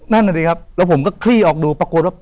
นั่นน่ะดิครับแล้วผมก็คลี่ออกดูปรากฏว่า